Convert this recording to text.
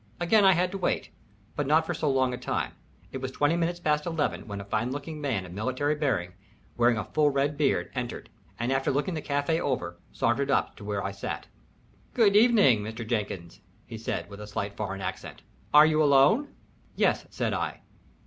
Again I had to wait, but not for so long a time. It was twenty minutes past eleven when a fine looking man of military bearing, wearing a full red beard, entered, and after looking the café over, sauntered up to where I sat. "Good evening, Mr. Jenkins," said he, with a slight foreign accent. "Are you alone?" "Yes," said I.